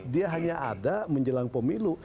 dia hanya ada menjelang pemilu